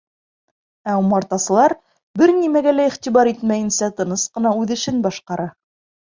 Ә умартасылар, бер нәмәгә лә иғтибар итмәйенсә, тыныс ҡына үҙ эшен башҡара.